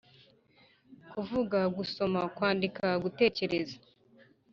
kuvuga, gusoma, kwandika, gutekerez